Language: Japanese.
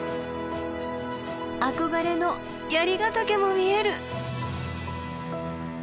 憧れの槍ヶ岳も見える！